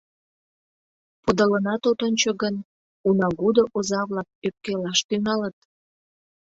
Подылынат от ончо гын, унагудо оза-влак ӧпкелаш тӱҥалыт.